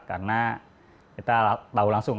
karena kita tahu langsung